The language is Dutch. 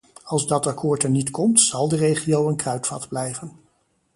Als dat akkoord er niet komt, zal de regio een kruitvat blijven.